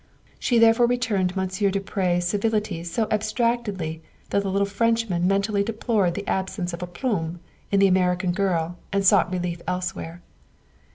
She therefore returned Monsieur du Pre's civilities so abstractedly that the little Frenchman mentally deplored the absence of aplomb in the American girl and sought relief elsewhere.